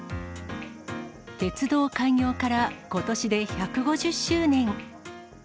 鉄道開業から、ことしで１５０周年。